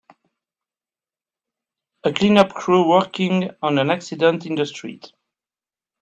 A clean up crew working on a accident in the street.